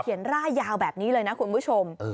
ร่ายยาวแบบนี้เลยนะคุณผู้ชม